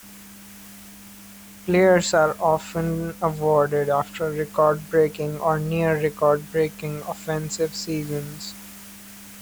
Players are often awarded after record-breaking or near-record-breaking offensive seasons.